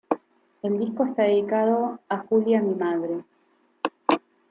El disco está dedicado "a Julia, mi madre".